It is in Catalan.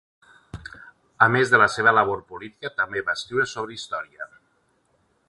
A més de la seva labor política, també va escriure sobre història.